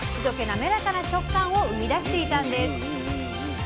なめらかな食感を生み出していたんです。